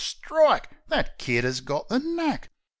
Strike! That kid 'as got the knack